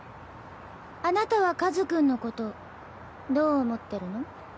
あなたは和君のことどう思ってるの？